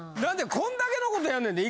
こんだけのことやんねんで。